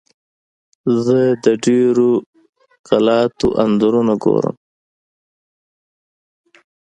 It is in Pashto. زه د زړو قلعاتو انځورونه ګورم.